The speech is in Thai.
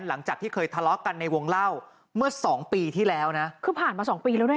หลังจากที่เคยทะเลาะกันในวงเล่าเมื่อสองปีที่แล้วนะคือผ่านมาสองปีแล้วด้วยนะ